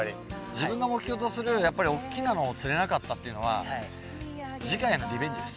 自分が目標とするやっぱりおっきなのを釣れなかったというのは次回のリベンジです。